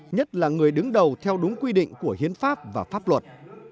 nhất là người đứng đầu theo đúng quy định của hiến pháp và pháp luật